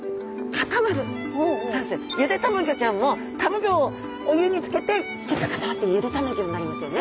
ゆでたまギョちゃんもたまギョをお湯につけてキュッと固まってゆでたまギョになりますよね。